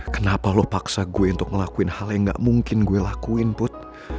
kenapa lo paksa gue untuk ngelakuin hal yang gak mungkin gue lakuin put